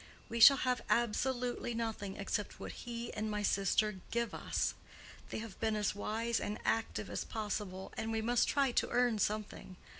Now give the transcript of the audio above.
We shall have absolutely nothing except what he and my sister give us. They have been as wise and active as possible, and we must try to earn something.